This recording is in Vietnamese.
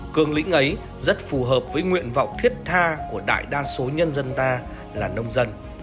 cương lĩnh ấy rất phù hợp với nguyện vọng thiết tha của đại đa số nhân dân ta là nông dân